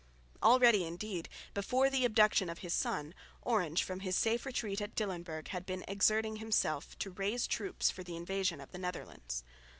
Already indeed, before the abduction of his son, Orange from his safe retreat at Dillenburg had been exerting himself to raise troops for the invasion of the Netherlands.